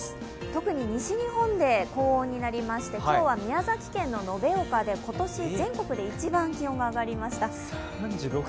特に西日本で高温になりまして今日は宮崎県の延岡で、今年全国で一番気温が上がりました。